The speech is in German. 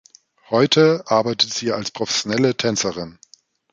Heute arbeitet sie als professionelle Tänzerin.